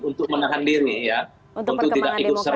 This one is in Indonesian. untuk menahan diri ya untuk tidak ikut serta